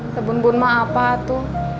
tebun bunma apa tuh